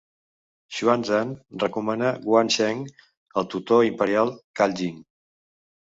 Xuan Zan recomana Guan Sheng al Tutor Imperial, Cai Jing.